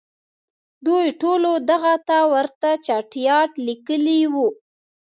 دوی ټولو دغه ته ورته چټیاټ لیکلي وو.